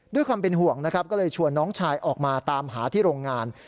ด้วยความเป็นห่วงนะครับก็เลยชวนน้องชายออกมาตามหาที่โรงงาน